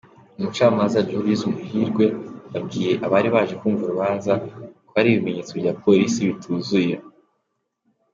Umucamanza Julius Muhiirwe yabwiye abari baje kumva urubanza ko hari ibimenyetso bya Police bituzuye.